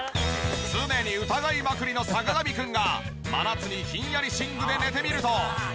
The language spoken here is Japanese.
常に疑いまくりの坂上くんが真夏にひんやり寝具で寝てみると。